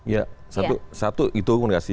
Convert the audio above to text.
ya satu itu komunikasi